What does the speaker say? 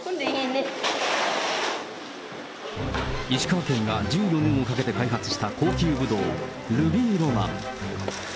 石川県が１４年をかけて開発した高級ブドウ、ルビーロマン。